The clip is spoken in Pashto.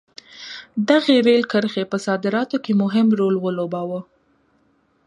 دغې رېل کرښې په صادراتو کې مهم رول ولوباوه.